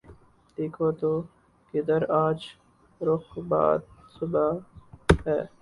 دیکھو تو کدھر آج رخ باد صبا ہے